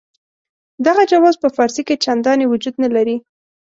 دغه جواز په فارسي کې چنداني وجود نه لري.